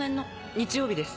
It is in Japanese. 日曜日です。